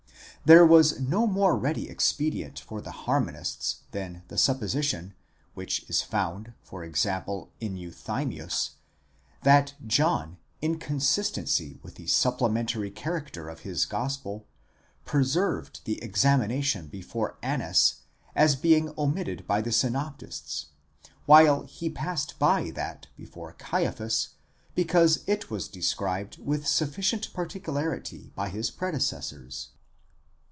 'There was no more ready expedient for the harmonists than the supposition, which is found e.g. in Euthymius, that John, in con sistency with the supplementary character of his gospel, perserved the examina tion before Annas as being omitted by the synoptists, while he passed by that before Caiaphas, because it was described with sufficient particularity by his predecessors.!'